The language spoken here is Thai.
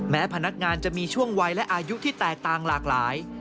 พนักงานจะมีช่วงวัยและอายุที่แตกต่างหลากหลาย